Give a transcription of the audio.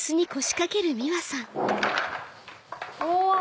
うわ！